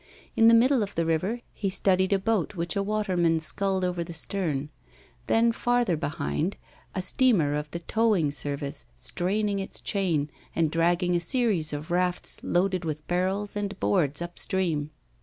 In the middle of the river, he studied a boat which a waterman sculled over the stern; then, farther behind, a steamer of the towing service straining its chain, and dragging a series of rafts loaded with barrels and boards up stream.